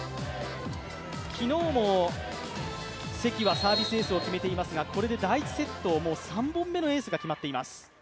昨日も関はサービスエース決めていますが、これで第１セット、３本目のエースが決まっています。